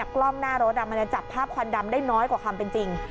กล้องหน้ารถมันจะจับภาพควันดำได้น้อยกว่าความเป็นจริง